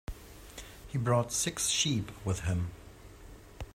He brought six sheep with him.